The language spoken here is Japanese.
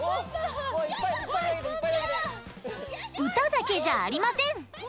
うただけじゃありません。